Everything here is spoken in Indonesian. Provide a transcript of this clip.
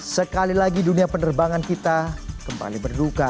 sekali lagi dunia penerbangan kita kembali berduka